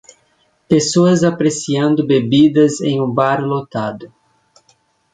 Pessoas apreciando bebidas em um bar lotado.